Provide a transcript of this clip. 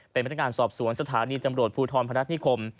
เป็นพนักงานสอบสวนสถานีตำรวจภูทรพนัฐนิคม